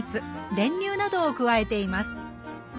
練乳などを加えています。